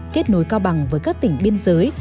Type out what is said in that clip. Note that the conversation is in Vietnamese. kết nối cao bằng với các tỉnh biên giới